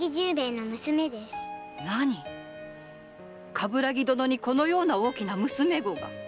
鏑木殿にこのような大きな娘御が？